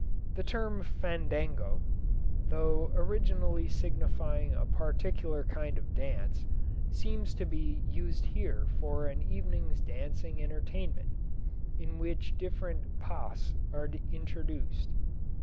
The term fandango, though originally signifying a peculiar kind of dance, seems to be used here for an evening's dancing entertainment, in which many different pas are introduced.